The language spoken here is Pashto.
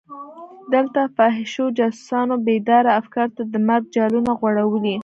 دلته فحاشو جاسوسانو بېداره افکارو ته د مرګ جالونه غوړولي.